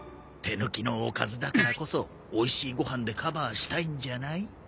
手抜きのおかずだからこそおいしいご飯でカバーしたいんじゃない？